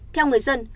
theo người dân